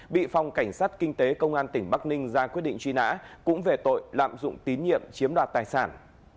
bị phòng cảnh sát kinh tế công an tỉnh bắc ninh ra quyết định truy nã cũng về tội lạm dụng tín nhiệm chiếm đoạt tài sản